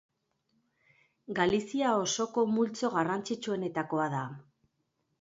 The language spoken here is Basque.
Galizia osoko multzo garrantzitsuenetakoa da.